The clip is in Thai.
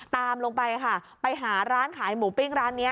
ตามลงไปค่ะไปหาร้านขายหมูปิ้งร้านนี้